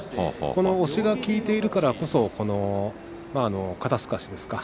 この押しが効いているからこそ肩すかしですか